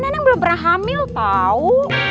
neneng belum pernah hamil tau